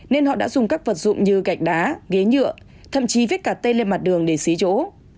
nên họ đã dùng các vật dụng như gạch đá ghế nhựa thậm chí viết cả tây lên mặt đường để xí chỗ